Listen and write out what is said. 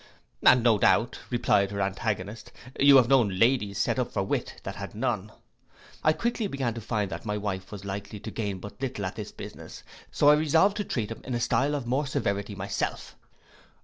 '—'And no doubt,' replied her antagonist, 'you have known ladies set up for wit that had none.'—I quickly began to find that my wife was likely to gain but little at this business; so I resolved to treat him in a stile of more severity myself.